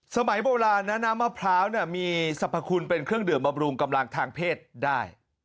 สมัยโบราณนะน้ำมะพร้าวมีสรรพคุณเป็นเครื่องดื่มบำรุงกำลังทางเพศได้